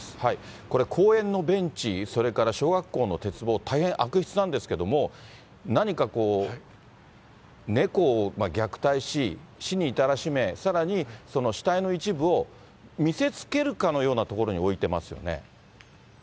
これ、公園のベンチ、それから小学校の鉄棒、大変悪質なんですけれども、何かこう、猫を虐待し、死に至らしめ、さらに、その死体の一部を、見せつけるかのような所に置いてますよね。